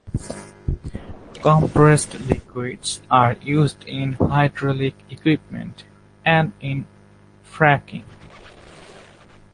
Compressed liquids are used in hydraulic equipment and in fracking.